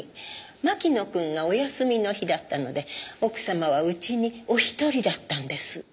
牧野くんがお休みの日だったので奥様は家にお一人だったんです。